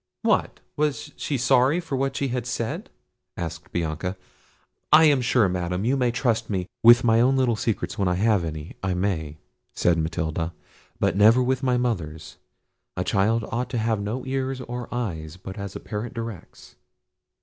"What! was she sorry for what she had said?" asked Bianca; "I am sure, Madam, you may trust me—" "With my own little secrets when I have any, I may," said Matilda; "but never with my mother's: a child ought to have no ears or eyes but as a parent directs."